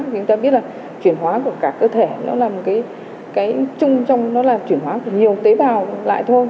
người ta biết là chuyển hóa của cả cơ thể nó là một cái chung trong nó là chuyển hóa của nhiều tế bào lại thôi